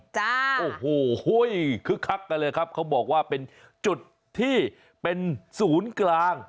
โอ้โหคึกคักกันเลยครับเขาบอกว่าเป็นจุดที่เป็นศูนย์กลาง